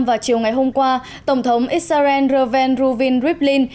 vào chiều ngày hôm qua tổng thống israel reven ruvin rivlin